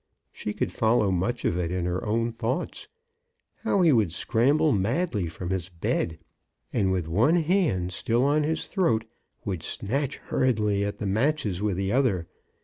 She could follow much of it in her own thoughts : how he would scramble madly from his bed, and, with one hand still on his throat, would snatch hurriedly at the matches with the other.